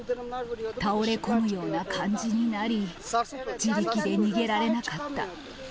倒れ込むような感じになり、自力で逃げられなかった。